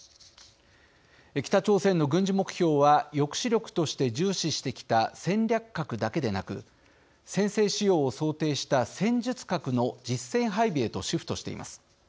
北朝鮮の軍事目標は抑止力として重視してきた戦略核だけでなく先制使用を想定した戦術核の実戦配備へとシフトしています。